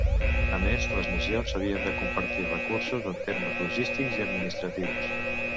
A més, les missions havien de compartir recursos en termes logístics i administratius.